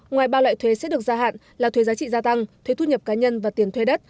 ngoài ba loại thuế sẽ được gia hạn là thuế giá trị gia tăng thuế thu nhập cá nhân và tiền thuê đất